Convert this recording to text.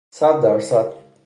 صد درصد